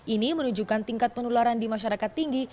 ini menunjukkan tingkat penularan di masyarakat tinggi